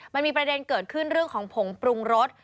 มันมีประเด็นเกิดขึ้นเรื่องของผงปรุงรส